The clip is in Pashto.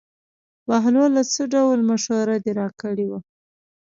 بهلوله څه ډول مشوره دې راکړې وه.